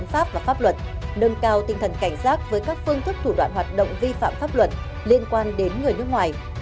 nâng cao tinh thần cảnh giác với các phương thức thủ đoạn hoạt động vi phạm pháp luật liên quan đến người nước ngoài